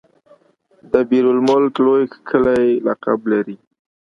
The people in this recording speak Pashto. دبیر المک لوی کښلی لقب لري.